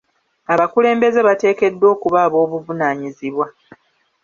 Abakulembeze bateekeddwa okuba aboobuvunaanyizibwa.